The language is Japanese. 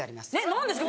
何ですか？